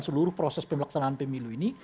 seluruh proses pemilu ini